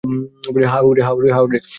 হ্যাঁ, উড়ে।